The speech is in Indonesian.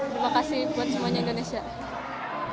terima kasih buat semuanya indonesia